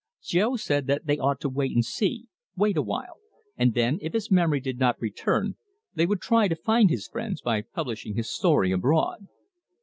Jo said that they ought to wait and see wait awhile, and then, if his memory did not return, they would try to find his friends, by publishing his story abroad.